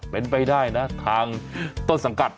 เป็นไปได้นะทางต้นสังกัด